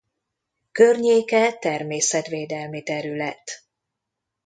Környéke természetvédelmi terület.